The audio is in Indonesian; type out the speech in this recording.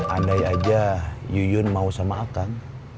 andai aja yuyun mau sama kang komar